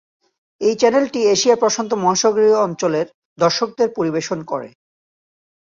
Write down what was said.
এই চ্যানেলটি এশিয়া প্রশান্ত মহাসাগরীয় অঞ্চলের দর্শকদের পরিবেশন করে।